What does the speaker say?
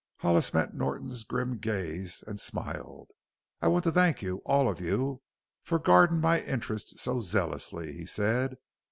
Hollis met Norton's grim gaze and smiled. "I want to thank you all of you, for guarding my interests so zealously," he said.